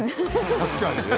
確かにね。